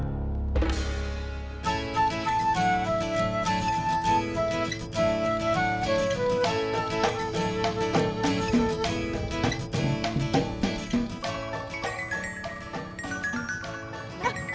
aku lo climbed middleya sendiri aku mauulas nikah masa toko proses lo biasanya kalau lebih bagil buat gue